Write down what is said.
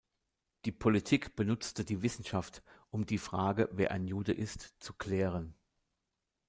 Die Politik benutzte die Wissenschaft, um die Frage, wer ein Jude ist, zu „klären“.